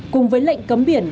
cùng với lệnh cấm biển